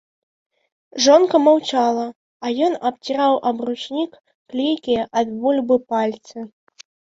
Жонка маўчала, а ён абціраў аб ручнік клейкія ад бульбы пальцы.